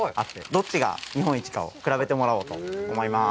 どっちが日本一かを比べてもらおうかと思います。